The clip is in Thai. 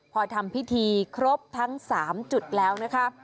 พอทำพิธีครบทั้ง๓จุดแล้วนะคะ